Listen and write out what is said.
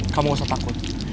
kamu gak usah takut